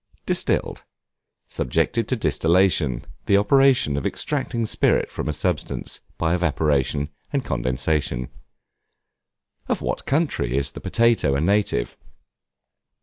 Distilled, subjected to distillation the operation of extracting spirit from a substance by evaporation and condensation. Of what country is the Potato a native?